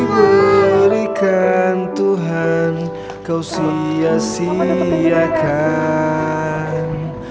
berikan tuhan kau sia siakan